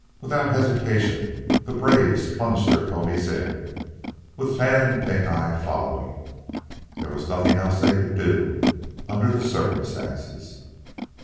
Without hesitation the braves plunged their ponies in, with Tad and Pink eye following. There was nothing else they could do tinder the circumstances.